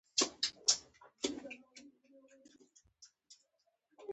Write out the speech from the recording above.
مچان د بدن حساس ځایونه خوښوي